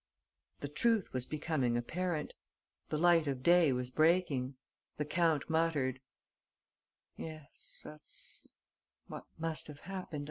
The truth was becoming apparent. The light of day was breaking. The count muttered: "Yes, that's what must have happened.